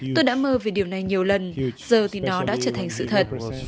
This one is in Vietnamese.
tôi đã mơ về điều này nhiều lần giờ thì nó đã trở thành sự thật